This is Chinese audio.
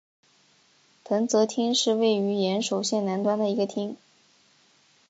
藤泽町是位于岩手县南端的一町。